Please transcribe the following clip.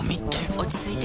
落ち着いて。